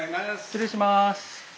失礼します。